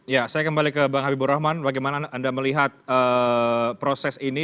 ya saya kembali ke bang habibur rahman bagaimana anda melihat proses ini